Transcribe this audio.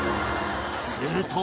すると